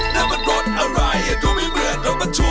นั่นมันรถอะไรดูไม่เหมือนรถประทุกข์